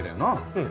うん。